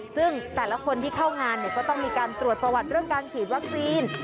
ซึ่งแต่ละคนที่เข้างานก็ต้องมีการตรวจประวัติเรื่องการฉีดวัคซีน